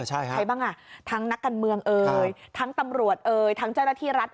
ใครบ้างอ่ะทั้งนักการเมืองเอ่ยทั้งตำรวจเอ่ยทั้งเจ้าหน้าที่รัฐ